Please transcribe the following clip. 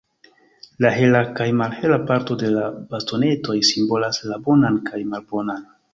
La hela kaj malhela parto de la bastonetoj simbolas la bonan kaj malbonan.